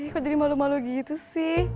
kok jadi malu malu gitu sih